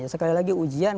sekali lagi ujian